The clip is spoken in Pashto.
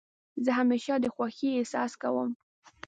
زه همېشه د خوښۍ احساس کوم.